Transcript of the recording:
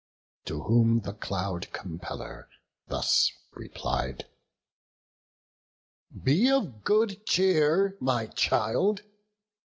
To whom the Cloud compeller thus replied: "Be of good cheer, my child!